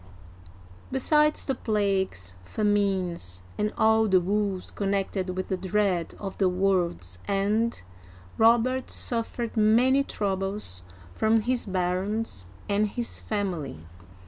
Besides the plagues, famines, and all the woes connected with the dread of the world's end, Robert suffered many troubles from his barons and his family.